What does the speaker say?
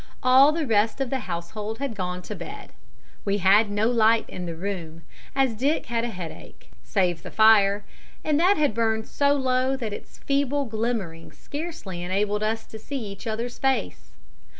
All the rest of the household had gone to bed. We had no light in the room as Dick had a headache save the fire, and that had burned so low that its feeble glimmering scarcely enabled us to see each other's face.